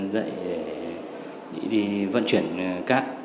dậy để đi vận chuyển cát